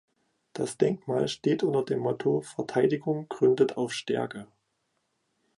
Das Denkmal steht unter dem Motto: ""Verteidigung gründet auf Stärke.